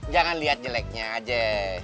jangan liat jeleknya aja